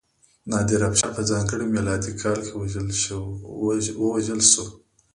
نادرافشار په ځانګړي میلادي کال کې ووژل شو.